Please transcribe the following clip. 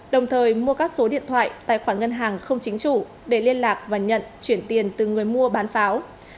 đồng thời mua các số điện thoại tài khoản ngân hàng không chính chủ để liên lạc và nhận chuyển tiền từ người mua bán pháo